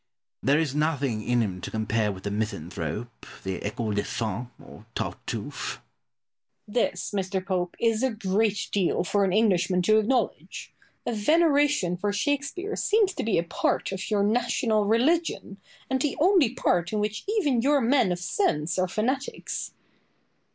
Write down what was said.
There is nothing in him to compare with the Misanthrope, the Ecole des Femmes, or Tartuffe. Boileau. This, Mr. Pope, is a great deal for an Englishman to acknowledge. A veneration for Shakespeare seems to be a part of your national religion, and the only part in which even your men of sense are fanatics.